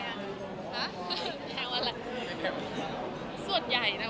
อยู่ยืนยาว